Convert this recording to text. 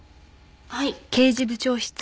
はい。